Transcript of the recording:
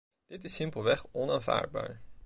Dit is simpelweg onaanvaardbaar.